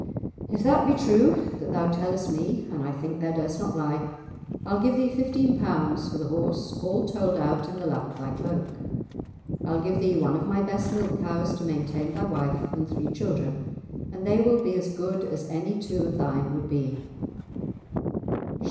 "If that be true that thou tellest me (and I think thou durst not lie) I'll give thee fifteen pounds for the horse, all told out in the lap of thy cloak; I'll give thee one of my best milk cows to maintain thy wife and three children, and they will be as good as any two of thine would be."